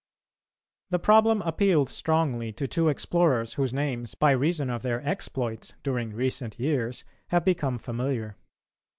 The problem appealed strongly to two explorers whose names, by reason of their exploits during recent years, have become familiar.